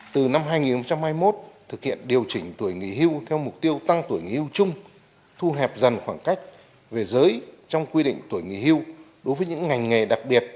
từ năm hai nghìn hai mươi một thực hiện điều chỉnh tuổi nghỉ hưu theo mục tiêu tăng tuổi nghỉ hưu chung thu hẹp dần khoảng cách về giới trong quy định tuổi nghỉ hưu đối với những ngành nghề đặc biệt